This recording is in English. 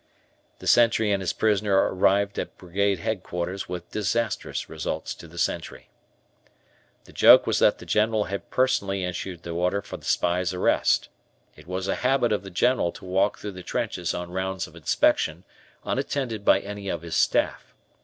The sentry and his prisoner arrived at Brigade Headquarters with disastrous results to the sentry. The joke was that the General had personally issued the order for the spy's arrest. It was a habit of the General to walk through the trenches on rounds of inspection, unattended by any of his staff.